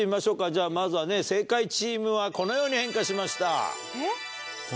じゃあまずはね正解チームはこのように変化しました。